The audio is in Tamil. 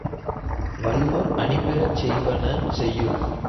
வல்லோர் அணிபெறச் செய்வன செய்யுள்